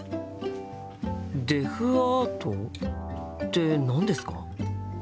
デフアートって何ですか？